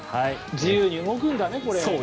自由に動くんだね、これ。